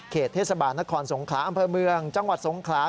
เทศบาลนครสงขลาอำเภอเมืองจังหวัดสงขลา